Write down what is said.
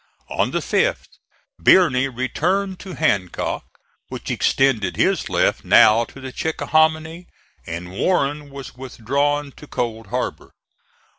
On the 5th Birney returned to Hancock, which extended his left now to the Chickahominy, and Warren was withdrawn to Cold Harbor.